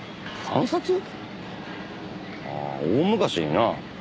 ああ大昔にな。